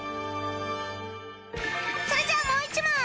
それじゃあもう１問